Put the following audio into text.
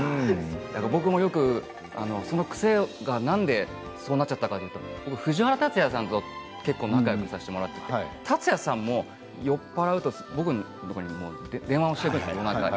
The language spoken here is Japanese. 僕もよくその癖がなんでそうなっちゃったかというと藤原竜也さんと結構、仲よくさせてもらっていて竜也さんも酔っ払うと僕のところに電話をしてくるんです。